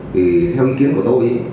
thì theo ý kiến của tôi